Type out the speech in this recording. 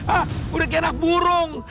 ah udah kena burung